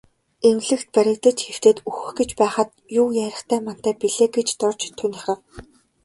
Эмнэлэгт баригдаж хэвтээд үхэх гэж байхад юу ярихтай мантай билээ гэж Дорж тунирхав.